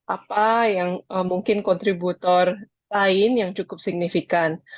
apa yang mungkin kontributor lain yang cukup signifikan